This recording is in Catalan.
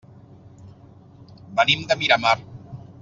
Venim de Miramar.